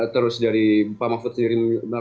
terus dari bapak mahfud sendiri memberikan informasi lain